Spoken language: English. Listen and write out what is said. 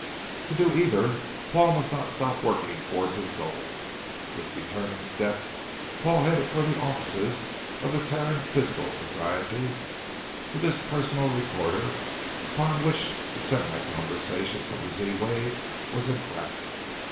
To do either, Paul must not stop working towards his goal. With determined step, Paul headed for the offices of the Terran Physical Society with his personal recorder, upon which the semi conversation from the Z wave was impressed.